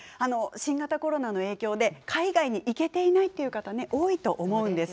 新型コロナの影響で、海外に行けていないっていう方、多いと思うんです。